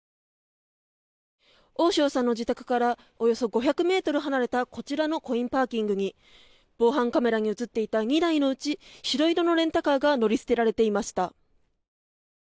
大塩さんの自宅からおよそ５００ｍ離れたこちらのコインパーキングに防犯カメラに映っていた２台のうち、白色のレンタカーが乗り捨てられていました。